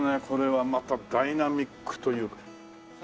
これはまたダイナミックというか。